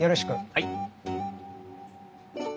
はい。